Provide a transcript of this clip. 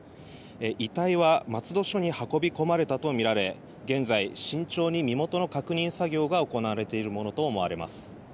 遺体は松戸署に運び込まれたとみられ現在、慎重に身元の確認作業が行われているものとみられます。